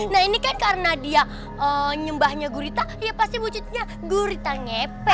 nah ini kan karena dia nyembahnya gurita ya pasti wujudnya gurita ngepe